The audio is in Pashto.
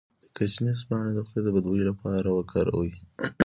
د ګشنیز پاڼې د خولې د بد بوی لپاره وکاروئ